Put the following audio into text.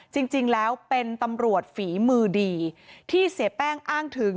จริงแล้วเป็นตำรวจฝีมือดีที่เสียแป้งอ้างถึง